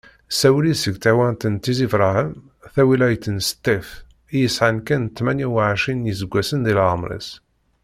Sawli seg tɣiwant n Tizi n Brahem, tawilayt n Ṣṭif, i yesεan kan tmanya uɛecrin n yiseggasen di leεmeṛ-is.